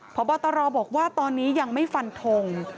พบตรบอกว่าตอนนี้ยังไม่ฟันทง